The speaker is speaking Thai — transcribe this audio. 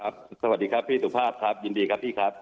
สวัสดีครับพี่สุภาพครับยินดีครับพี่ครับ